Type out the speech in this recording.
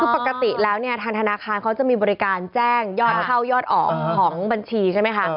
คือปกติแล้วเนี่ยทางธนาคารเขาจะมีบริการแจ้งยอดเข้ายอดออกของบัญชีใช่ไหมคะ